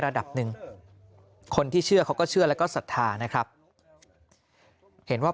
ระดับหนึ่งคนที่เชื่อเขาก็เชื่อแล้วก็ศรัทธานะครับเห็นว่า